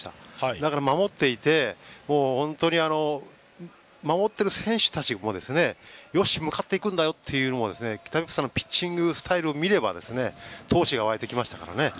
だから本当に守っている選手たちもよし、向かっていくんだよというのを北別府さんのピッチングスタイルを見たら闘志が湧いてきましたからね。